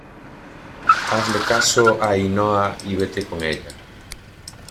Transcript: hazle caso a Ainhoa y vete con ella